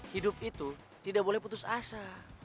hidup itu tidak boleh putus asa